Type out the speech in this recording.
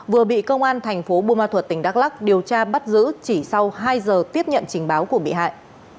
vừa bị công an thành phố bùa ma thuật tỉnh đắk lắc điều tra bắt giữ chỉ sau hai giờ tiếp nhận trình báo của bị hại